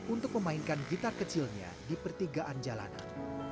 untuk memainkan gitar kecilnya di pertigaan jalanan